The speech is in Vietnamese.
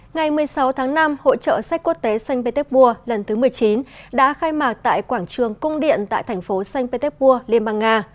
ngày một mươi sáu tháng năm hội trợ sách quốc tế xanh petersburg lần thứ một mươi chín đã khai mạc tại quảng trường cung điện tại thành phố sanh petersburg liên bang nga